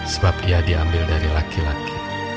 sebab ia diambil dari laki laki